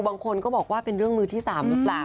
บางคนก็บอกว่าเป็นเรื่องมือที่๓หรือเปล่า